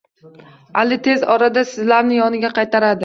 Ali tez orada sizlarni yoniga qaytaradi